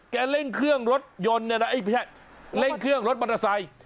แกเล่งเครื่องรถยนต์ไม่ใช่เล่งเครื่องรถบรรทสัย